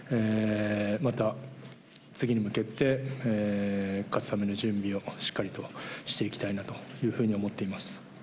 また、次に向けて勝つための準備をしっかりしていきたいなと思っています。